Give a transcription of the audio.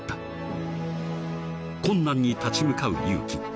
［困難に立ち向かう勇気］